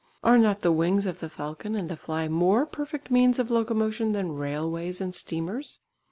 Are not the wings of the falcon and the fly more perfect means of locomotion than railways and steamers?